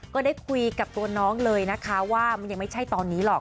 ก็ได้คุยกับตัวน้องเลยนะคะว่ามันยังไม่ใช่ตอนนี้หรอก